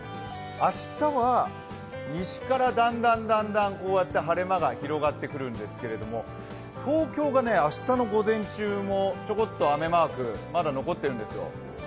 明日は西からだんだんこうやって晴れ間が広がってくるんですけど東京が明日の午前中もちょこっと雨マークまだ残っているんですよ。